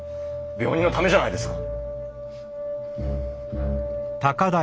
病人のためじゃないですか。